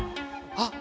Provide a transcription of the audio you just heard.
あっ